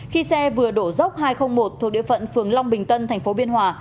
khi xe vừa đổ dốc hai trăm linh một thuộc địa phận phường long bình tân thành phố biên hòa